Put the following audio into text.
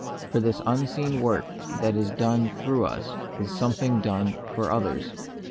For this unseen work that is done through us is something done for others.